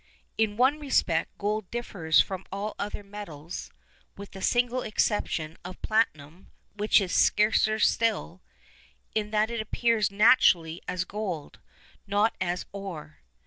In one respect gold differs from all other metals (with the single exception of platinum, which is scarcer still) in that it appears naturally as gold, not as ore.